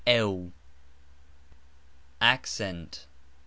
ACCENT.